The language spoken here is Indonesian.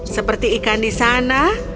seperti ikan di sana